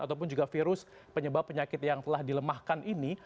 ataupun juga virus penyebab penyakit yang telah dilemahkan ini